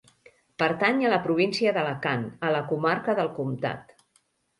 Pertany a la província d'Alacant, a la comarca del Comtat.